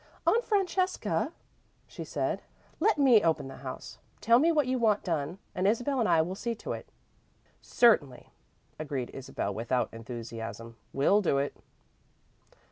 "Aunt Francesca," she said, "let me open the house. Tell me what you want done, and Isabel and I will see to it." "Certainly," agreed Isabel without enthusiasm. "We'll do it."